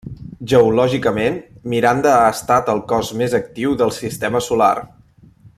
Geològicament, Miranda ha estat el cos més actiu del sistema solar.